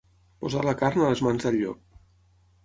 Posar la carn a les mans del llop.